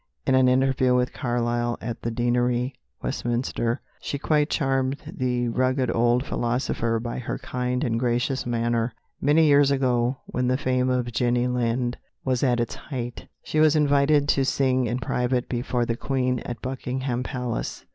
In an interview with Carlyle, at the Deanery, Westminster, she quite charmed the rugged old philosopher by her kind and gracious manner. Many years ago, when the fame of Jenny Lind was at its height, she was invited to sing in private before the Queen at Buckingham Palace.